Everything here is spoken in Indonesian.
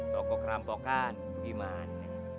toko kerampokan gimana